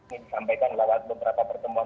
disampaikan lewat beberapa pertemuan